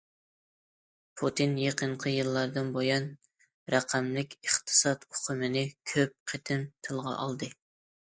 پۇتىن يېقىنقى يىللاردىن بۇيان« رەقەملىك ئىقتىساد» ئۇقۇمىنى كۆپ قېتىم تىلغا ئالدى.